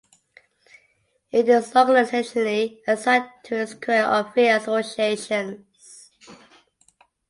It is organizationally assigned to its curia of free associations.